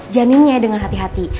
janinnya dengan hati hati